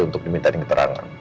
untuk diminta keterangan